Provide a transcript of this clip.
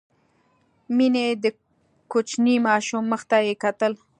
مينې د کوچني ماشوم مخ ته يې کتل.